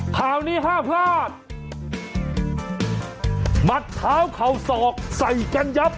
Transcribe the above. ข่าวนี้ห้ามพลาดหมัดเท้าเข่าศอกใส่กันยับ